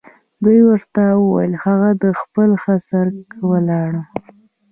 دوی ورته وویل هغه د خپل خسر کره ولاړ.